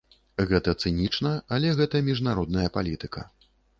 Гэта цынічна, але гэта міжнародная палітыка.